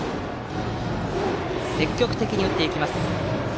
積極的に打っていきます。